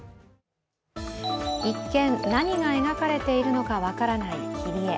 一見何が描かれているのか分からない切り絵。